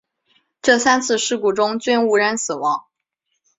这三次事故中均无人死亡。